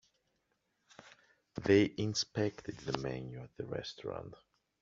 They inspected the menu at the restaurant.